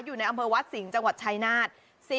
อยู่ในอำเภอวัดสิงห์จังหวัดชายนาฏ